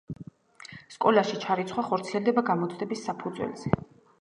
სკოლაში ჩარიცხვა ხორციელდება გამოცდების საფუძველზე.